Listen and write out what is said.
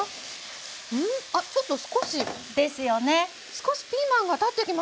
少しピーマンが立ってきましたね。